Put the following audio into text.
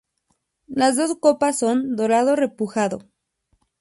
Las dos copas son dorado repujado.